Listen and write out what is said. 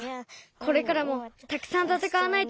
これからもたくさんたたかわないと。